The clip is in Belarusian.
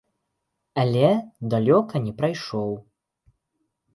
Але далёка не прайшоў.